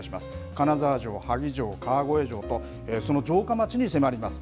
金沢城、萩城、川越城と、その城下町に迫ります。